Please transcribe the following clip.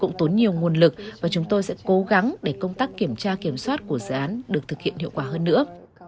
chúng tôi tốn nhiều nguồn lực và chúng tôi sẽ cố gắng để công tác kiểm tra kiểm soát của dự án được thực hiện hiệu quả hơn nữa